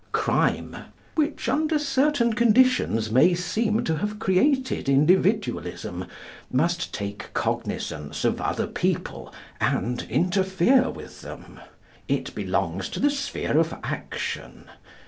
Crime, which, under certain conditions, may seem to have created Individualism, must take cognisance of other people and interfere with them. It belongs to the sphere of action.